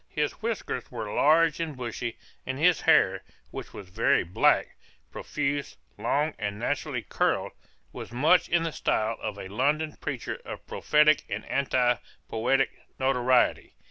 His whiskers were large and bushy, and his hair, which was very black, profuse, long and naturally curled, was much in the style of a London preacher of prophetic and anti poetic notoriety.